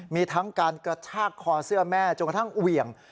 มีทั้งการกระชากคอเสื้อแม่จนกระทั่งเหวี่ยง